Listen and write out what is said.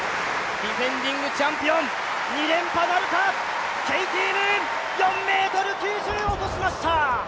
ディフェンディングチャンピオン、２連覇なるか、ケイティ・ムーン、４ｍ９０、落としました。